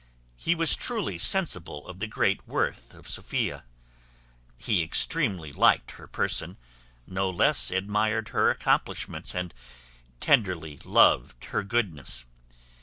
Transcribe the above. He was truly sensible of the great worth of Sophia. He extremely liked her person, no less admired her accomplishments, and tenderly loved her goodness.